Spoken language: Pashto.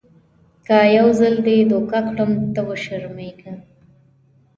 که یو ځل دې دوکه کړم ته وشرمېږه .